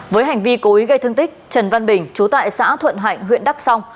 với hành vi cố ý gây thương tích trần văn bình chú tại xã thuận hạnh huyện đắk song